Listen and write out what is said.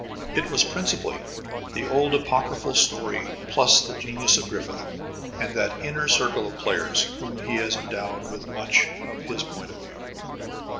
It was principally the old apocryphal story plus the genius of Griffith and that inner circle of players whom he has endowed with much of his point of view.